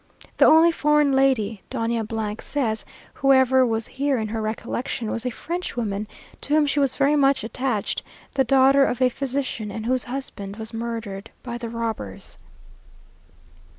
The only foreign lady, Doña says, whoever was here in her recollection, was a Frenchwoman, to whom she was very much attached, the daughter of a physician, and whose husband was murdered by the robbers.